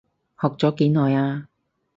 學咗幾耐啊？